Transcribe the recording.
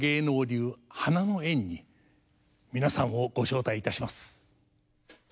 流花の宴に皆さんをご招待いたします。